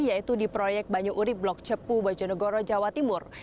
yaitu di proyek banyu urib blok cepu bojonegoro jawa timur